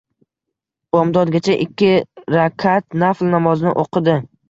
Bomdodgacha ikki rakaat nafl namozini o‘qidi